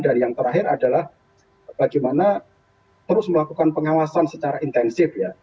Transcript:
dan yang terakhir adalah bagaimana terus melakukan pengawasan secara intensif ya